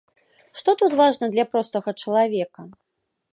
Што тут важна для простага чалавека?